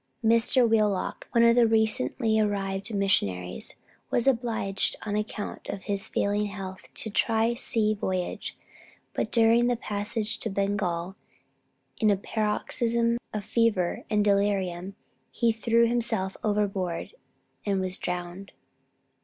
Mr. Wheelock, one of the recently arrived missionaries, was obliged on account of his failing health to try a sea voyage; but during the passage to Bengal, in a paroxysm of fever and delirium, he threw himself overboard and was drowned.